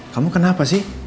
kamu kenapa sih